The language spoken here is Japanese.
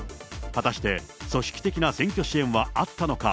果たして組織的な選挙支援はあったのか？